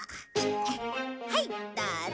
はいどうぞ。